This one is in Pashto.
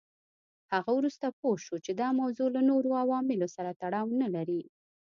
هغه وروسته پوه شو چې دا موضوع له نورو عواملو سره تړاو نه لري.